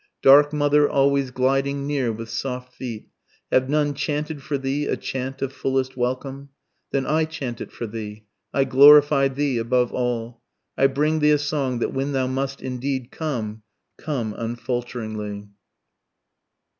_ _Dark mother always gliding near with soft feet Have none chanted for thee a chant of fullest welcome? Then I chant it for thee, I glorify thee above all, I bring thee a song that when thou must indeed come, come unfalteringly.